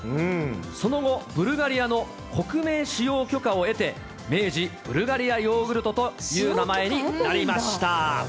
その後、ブルガリアの国名使用許可を得て、明治ブルガリアヨーグルトという名前になりました。